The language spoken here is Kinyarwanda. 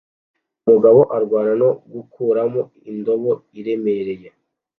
Umugabo urwana no gukuramo indobo iremereye